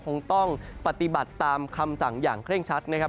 คงต้องปฏิบัติตามคำสั่งอย่างเคร่งชัดนะครับ